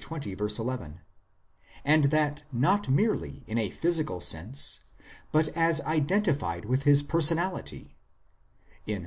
11), and that not merely in a physical sense, but as identified with his personality ; in Ps.